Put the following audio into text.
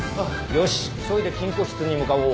よし急いで金庫室に向かおう。